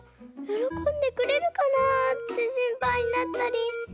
よろこんでくれるかなって心配になったり。